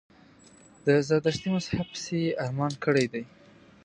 د زردشتي مذهب پسي یې ارمان کړی دی.